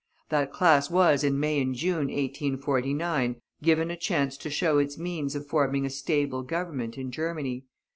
That class was, in May and June, 1849, given a chance to show its means of forming a stable Government in Germany.